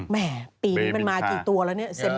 แหม่ปีนี้มันมากี่ตัวละนี่